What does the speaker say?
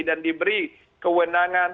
dan diberi kewenangan